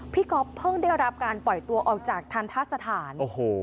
ก๊อฟเพิ่งได้รับการปล่อยตัวออกจากทันทะสถาน